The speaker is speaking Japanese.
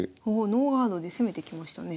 ノーガードで攻めてきましたね。